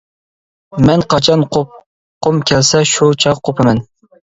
» «مەن قاچان قوپقۇم كەلسە شۇ چاغ قوپىمەن.